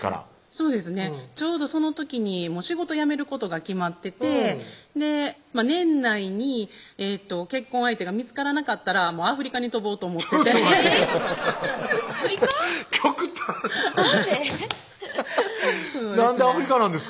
そうですねちょうどその時に仕事辞めることが決まってて年内に結婚相手が見つからなかったらアフリカに飛ぼうと思っててちょっと待ってアフリカ？極端なんで？